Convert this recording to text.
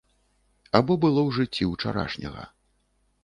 Або было ў жыцці ўчарашняга.